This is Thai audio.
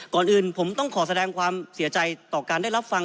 ก่อนอื่นผมต้องขอแสดงความเสียใจต่อการได้รับฟัง